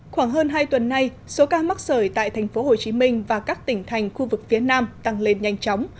khoảng hơn hai tuần nay số ca mắc sởi tại tp hcm và các tỉnh thành khu vực phía nam tăng lên nhanh chóng